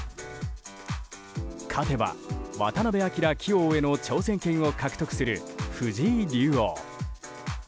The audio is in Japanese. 勝てば渡辺明棋王への挑戦権を獲得する藤井竜王。